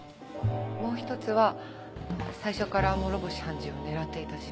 もう一つは最初から諸星判事を狙っていた人物。